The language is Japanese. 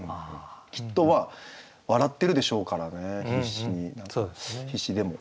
きっと笑ってるでしょうからね必死でも。